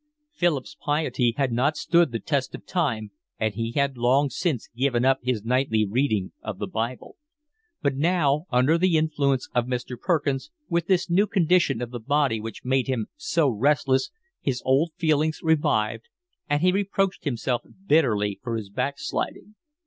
Philip's piety had not stood the test of time, and he had long since given up his nightly reading of the Bible; but now, under the influence of Mr. Perkins, with this new condition of the body which made him so restless, his old feelings revived, and he reproached himself bitterly for his backsliding.